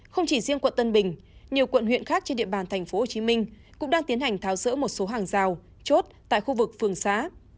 không chỉ riêng quận tân bình nhiều quận huyện khác trên địa bàn tp hcm cũng đang tiến hành tháo rỡ một số hàng rào chốt tại khu vực phường xã